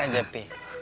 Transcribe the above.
tapi siap seap ma